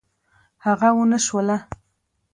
هغه ونشوله.